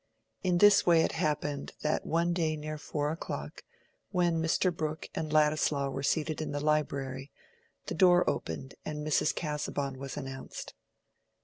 In this way it happened that one day near four o'clock, when Mr. Brooke and Ladislaw were seated in the library, the door opened and Mrs. Casaubon was announced.